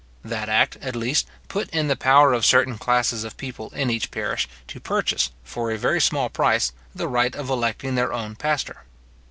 That act, at least, put in the power of certain classes of people in each parish to purchase, for a very small price, the right of electing their own pastor.